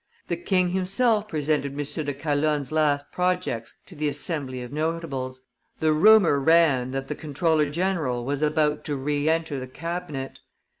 The king himself presented M. de Calonne's last projects to the Assembly of notables; the rumor ran that the comptroller general was about to re enter the cabinet.